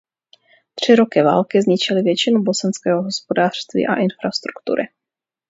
Tři roky války zničily většinu bosenského hospodářství a infrastruktury.